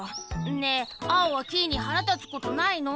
ねえアオはキイにはらたつことないの？